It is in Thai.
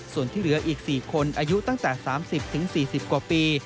ส่วนที่เหลืออีก๔คนอายุตั้งแต่๓๐๔๐กว่าปี